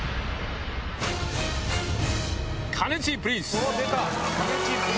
カネチープリンス。